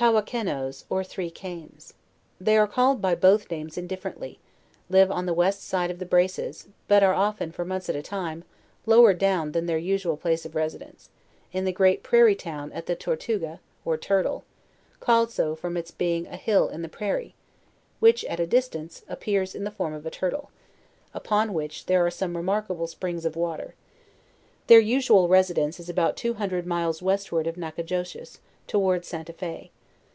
TAWAKENOES, OR THREE CANES. They are called by both names indifferently; live on the west side of the Braces, but are often, for months at a time, lower down than their usual place of residence, in the great prairie at the Tortuga, or Turtle, called so from its being a hill in the prairie, which at a distance, appears in the form of a Turtle; upon which , there are some remarkable springs of water. Their usual residence is about two hundred miles westward of Nacog doches, towards St. a Fe.